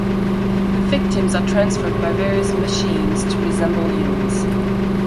The victims are transformed by various machines to resemble humans.